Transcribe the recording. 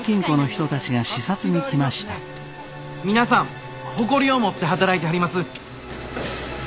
皆さん誇りを持って働いてはります。